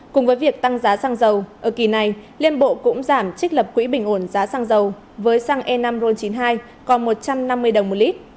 cùng với việc tăng giá xăng dầu ở kỳ này liên bộ cũng giảm trích lập quỹ bình ổn giá xăng dầu với xăng e năm ron chín mươi hai còn một trăm năm mươi đồng một lít